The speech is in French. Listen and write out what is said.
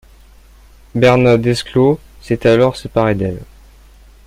Bernat Desclot s'est alors séparé d'elle.